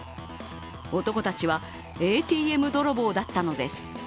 男たちはＡＴＭ泥棒だったのです。